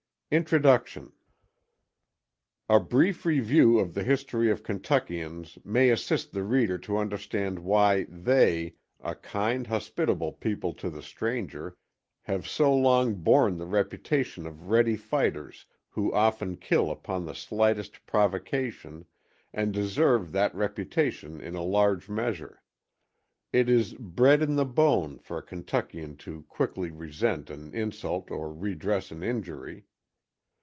INTRODUCTION A brief review of the history of Kentuckians may assist the reader to understand why they, a kind, hospitable people to the stranger, have so long borne the reputation of ready fighters who often kill upon the slightest provocation, and deserve that reputation in a large measure. It is "bred in the bone" for a Kentuckian to quickly resent an insult or redress an injury.